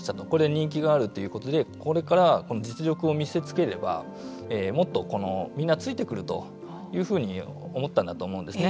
人気があるということでこれからこの実力を見せつければもっとみんなついてくるというふうに思ったんだと思うんですね。